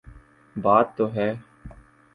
بات تو ہے۔